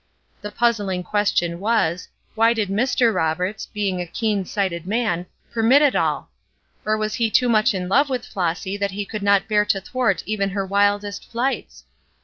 The puzzling question was, why did Mr. Roberts, being a keen sighted man, permit it all! Or was he so much in love with Flossy that he could not bear to thwart even her wildest flights?